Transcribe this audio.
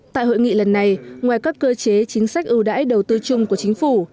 tại hội nghị lần này ngoài các cơ chế chính sách ưu đãi đầu tư chung của chính phủ